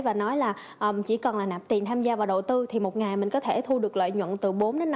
và nói là chỉ cần là nạp tiền tham gia vào đầu tư thì một ngày mình có thể thu được lợi nhuận từ bốn năm